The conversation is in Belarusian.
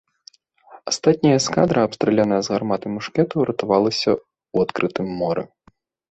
Астатняя эскадра, абстраляная з гармат і мушкетаў, ратавалася ў адкрытым моры.